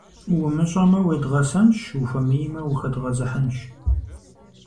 Умыщӏэмэ – уедгъэсэнщ, ухуэмеймэ - ухэдгъэзыхьынщ.